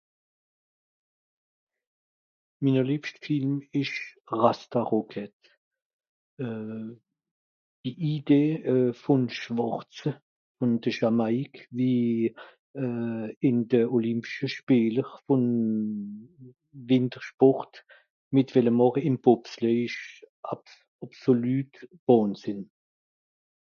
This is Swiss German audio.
mer liebscht Film isch Rasta Rocket, die idee vun Schwàrtze vun de Jamaique wie in de Olympische spiele vun WinterSport mit welle màche in Bobsleig isch absoluter unsin